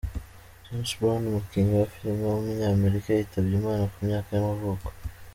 James Brown, umukinnyi wa filime w’umunyamerika yitabye Imana, ku myaka y’amavuko.